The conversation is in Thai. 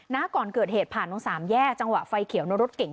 ก่อนเกิดเหตุผ่านตรงสามแยกจังหวะไฟเขียวในรถเก่ง